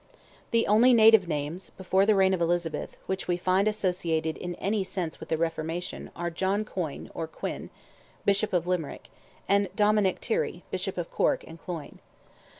The only native names, before the reign of Elizabeth, which we find associated in any sense with the "reformation," are John Coyn, or Quin, Bishop of Limerick, and Dominick Tirrey, Bishop of Cork and Cloyne. Dr.